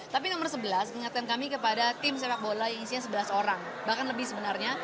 tapi nomor sebelas mengingatkan kami kepada tim sepak bola yang isinya sebelas orang bahkan lebih sebenarnya